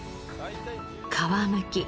皮むき